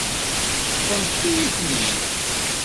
Ṭṭfent-iyi-ten-id.